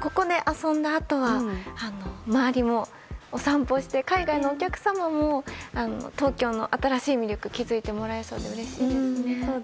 ここで遊んだあとは周りもお散歩して海外のお客様にも東京の新しい魅力に気づいてもらえそうでうれしいですね。